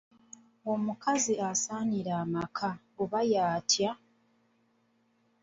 Omukazi asaanira amaka oba y'atya?